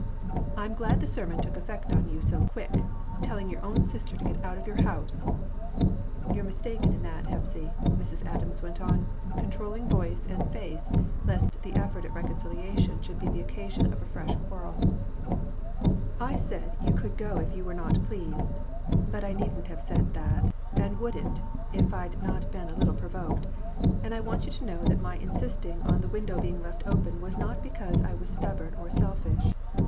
"I'm glad the sermon took effect on you so quick ; telling your own sister to get out of your house!" "You're mistaken in that, Hepsy," Mrs. Adams went on, controlling voice and face lest the effort at reconciliation should be the occasion of a fresh quarrel ;" I said you * could go if you were not pleased/ but I needn't have said that, and wouldn't if I'd not been a little provoked, and I want you to know that my insisting on the win dow being left open was not because I was stub born or selfish.